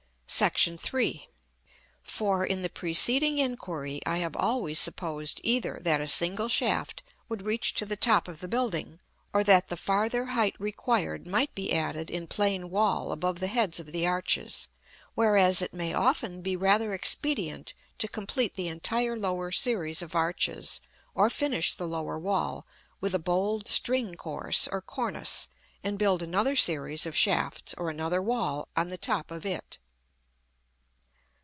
§ III. For, in the preceding inquiry, I have always supposed either that a single shaft would reach to the top of the building, or that the farther height required might be added in plain wall above the heads of the arches; whereas it may often be rather expedient to complete the entire lower series of arches, or finish the lower wall, with a bold string course or cornice, and build another series of shafts, or another wall, on the top of it.